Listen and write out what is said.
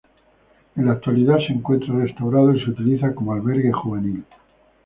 En la actualidad se encuentra restaurado y se utiliza como albergue juvenil.